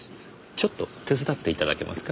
ちょっと手伝っていただけますか？